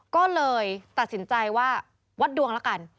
ก็เลยตัดสินใจว่าวัดดวงละกัน